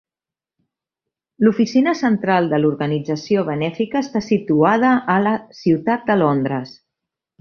L"oficina central de l"organització benèfica està situada a la ciutat de Londres.